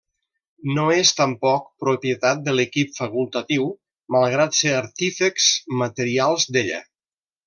No és, tampoc, propietat de l'equip facultatiu, malgrat ser artífexs materials d'ella.